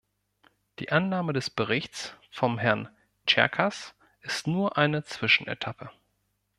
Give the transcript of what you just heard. Die Annahme des Berichts von Herrn Cercas ist nur eine Zwischenetappe.